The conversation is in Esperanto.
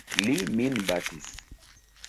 Li min batis.